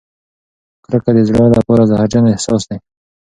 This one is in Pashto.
کرکه د زړه لپاره زهرجن احساس دی.